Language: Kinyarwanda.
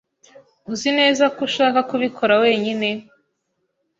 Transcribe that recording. Uzi neza ko ushaka kubikora wenyine?